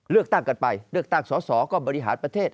เลือกตั้งกันไปเลือกตั้งสอสอก็บริหารประเทศ